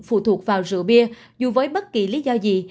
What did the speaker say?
phụ thuộc vào rượu bia dù với bất kỳ lý do gì